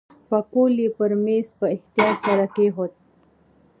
پکول یې پر میز په احتیاط سره کېښود.